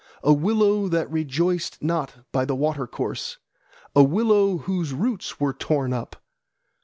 A willow that rejoiced not by the watercourse, A willow whose roots were torn up.